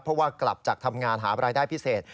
เพราะว่ากลับจากทำงานหารายได้พิเศษ